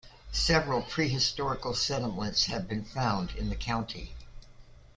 Several prehistorical settlements have been found in the county.